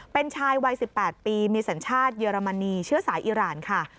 เป็นชายวัย๑๘ปีมีสัญชาติเยอรมนีเชื้อสายอิราณค่ะ